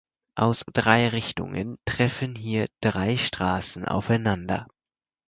Aus drei Richtungen treffen hier drei Straßen aufeinander.